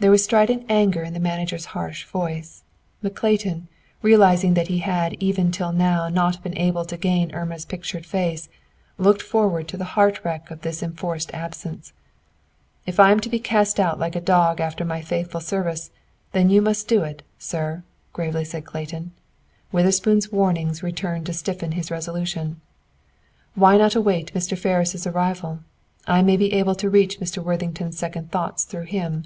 There was a strident anger in the manager's harsh voice. But Clayton, realizing that he had even till now not been able to gain Irma's pictured face, looked forward to the heart wreck of this enforced absence. "If I am to be cast out like a dog after my faithful service, then you must do it, sir," gravely said Clayton, Witherspoon's warnings returning to stiffen his resolution. "Why not await Mr. Ferris' arrival? I may be able to reach Mr. Worthington's second thoughts through him."